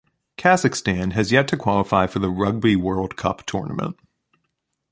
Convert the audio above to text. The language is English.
Kazakhstan has yet to qualify for the Rugby World Cup tournament.